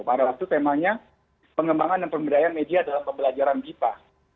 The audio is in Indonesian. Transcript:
pada waktu temanya pengembangan dan pemberdayaan media dalam pembelajaran bipa